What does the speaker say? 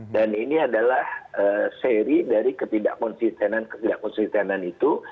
dan ini adalah seri dari ketidak konsistenan ketidak konsistenan itu